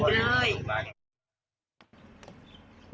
เขาไม่พอกินไปเลย